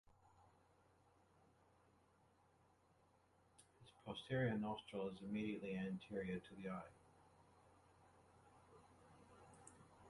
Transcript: Its posterior nostril is immediately anterior to the eye.